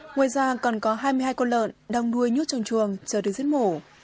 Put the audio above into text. ngoài ra còn có hai mươi hai con lợn đang nuôi nhút trong chuồng chờ được giết mổ